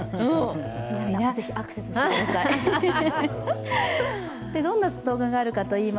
皆さんもぜひアクセスしてください。